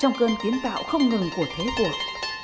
trong cơn kiến tạo không ngừng của thế cuộc